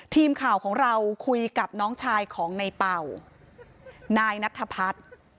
ทีมข่าวของเราคุยกับน้องชายของในเป่านายนัทพัฒน์